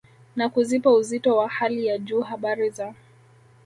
na kuzipa uzito wa hali ya juu habari za